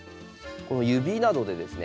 指などでですね